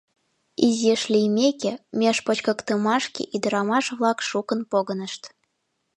Изиш лиймеке, меж почкыктымашке ӱдырамаш-влак шукын погынышт.